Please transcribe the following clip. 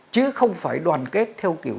chứ không phải đoàn kết theo kiểu